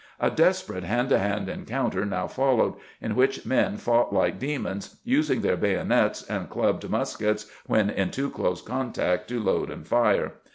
A desperate hand to hand encounter now followed, in which men fought like demons, using their bayonets and clubbed muskets when in too close contact to load and fire.